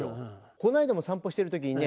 この間も散歩してる時にね